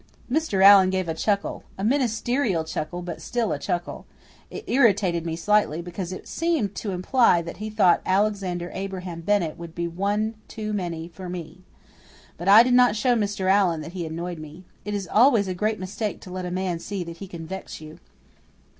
Mr. Allan gave a chuckle a ministerial chuckle, but still a chuckle. It irritated me slightly, because it seemed to imply that he thought Alexander Abraham Bennett would be one too many for me. But I did not show Mr. Allan that he annoyed me. It is always a great mistake to let a man see that he can vex you.